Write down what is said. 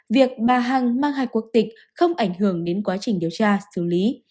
việc bà hằng mang hai quốc tịch không ảnh hưởng đến quá trình điều tra xử lý